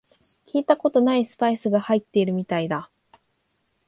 聞いたことないスパイスが入ってるみたいだ